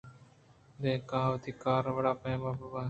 دانکہ آوتی کارءِ وڑ ءُپیم ءَ بہ بیت